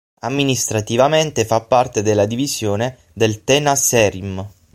Amministrativamente fa parte della Divisione del Tenasserim.